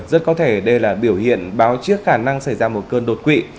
rất có thể đây là biểu hiện báo trước khả năng xảy ra một cơn đột quỵ